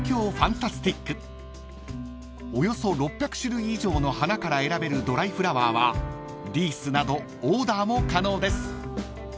［およそ６００種類以上の花から選べるドライフラワーはリースなどオーダーも可能です］